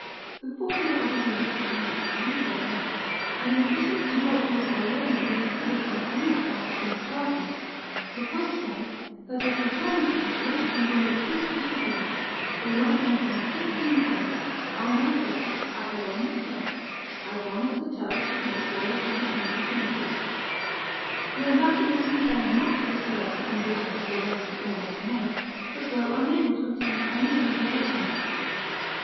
The formula of agreement and benediction was then read; and, in addition to what had already been considered and agreed upon between the parties, the pope said, that if the Florentines wished to enjoy the fruit of his forgiveness, they must maintain fifteen galleys, armed, and equipped, at their own expense, as long as the Turks should make war upon the kingdom of Naples. The ambassadors complained much of this burden in addition to the arrangement already made, but were unable to obtain any alleviation.